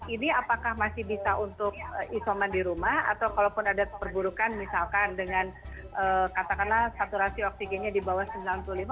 ini apakah masih bisa untuk isoman di rumah atau kalaupun ada perburukan misalkan dengan katakanlah saturasi oksigennya di bawah sembilan puluh lima